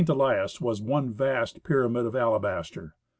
Elias was one vast pyramid of alabaster.